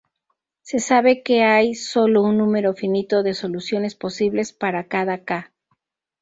Se sabe que hay solo un número finito de soluciones posibles para cada "k".